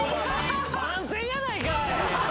番宣やないかい！